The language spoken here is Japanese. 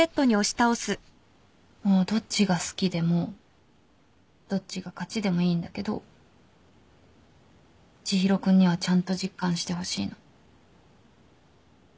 もうどっちが好きでもどっちが勝ちでもいいんだけど知博君にはちゃんと実感してほしいの。